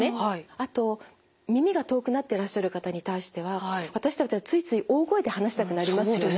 あと耳が遠くなってらっしゃる方に対しては私たちはついつい大声で話したくなりますよね。